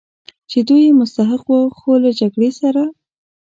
چې دوی یې مستحق و، خو له جګړې سره.